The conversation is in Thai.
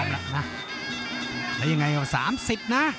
แล้วยังไงสามสิบนะ